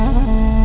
ibu tidak bisa